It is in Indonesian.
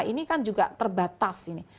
ini kan juga terbatas